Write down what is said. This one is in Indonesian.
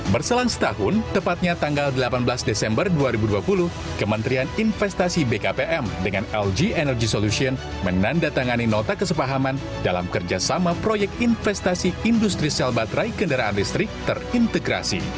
berselang setahun tepatnya tanggal delapan belas desember dua ribu dua puluh kementerian investasi bkpm dengan lg energy solution menandatangani nota kesepahaman dalam kerjasama proyek investasi industri sel baterai kendaraan listrik terintegrasi